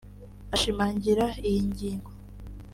Ashimangira iyi ngingo